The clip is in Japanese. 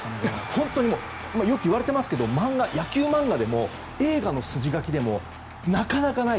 よく言われていますが野球漫画でも映画の筋書きでもなかなかない。